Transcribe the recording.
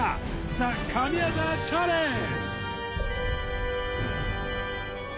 ＴＨＥ神業チャレンジ